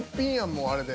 もうあれで。